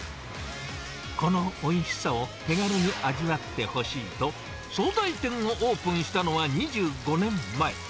このおいしさを手軽に味わってほしいと、総菜店をオープンしたのは２５年前。